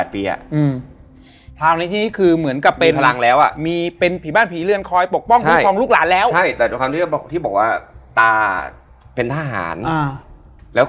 เปรียกน้ำทุกอย่างคือ